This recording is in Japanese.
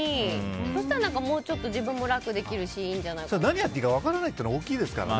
そうしたら、もうちょっと自分も楽できるし何やっていいか分からないというのは大きいですからね。